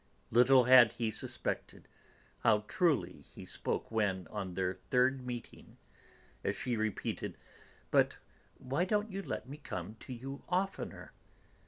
Little had he suspected how truly he spoke when, on their third meeting, as she repeated: "But why don't you let me come to you oftener?"